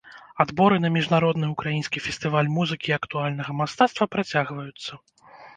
Адборы на міжнародны ўкраінскі фестываль музыкі і актуальнага мастацтва працягваюцца.